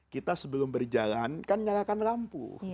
kita sebelum berjalan kan nyalakan lampu